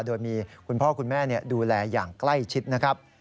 โดยมีคุณพ่อคุณแม่ดูแลอย่างใกล้ชิดนะครับ